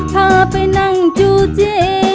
พาไปนั่งจูเจ